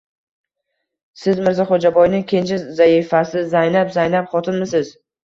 — Siz Mirzaxo‘jaboyni kenja zaifasi... Zaynab... Zaynab xotinmisiz?